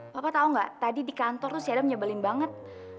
papa tau nggak tadi di kantor tuh si adam nyebelin banget